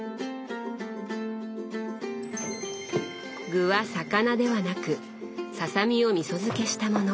具は魚ではなくささみをみそ漬けしたもの。